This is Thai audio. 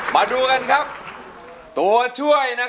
แผ่นที่